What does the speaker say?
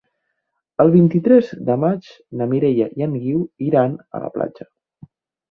El vint-i-tres de maig na Mireia i en Guiu iran a la platja.